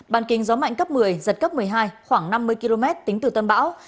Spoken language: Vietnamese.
bàn kinh gió mạnh cấp một mươi giật cấp một mươi hai khoảng năm mươi km tính từ tâm bão